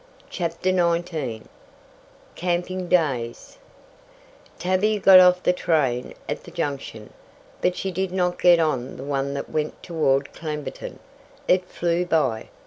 CHAPTER XIX CAMPING DAYS Tavia got off the train at the Junction, but she did not get on the one that went toward Clamberton it flew by.